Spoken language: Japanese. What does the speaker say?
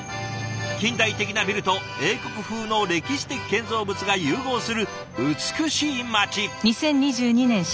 近代的なビルと英国風の歴史的建造物が融合する美しい街。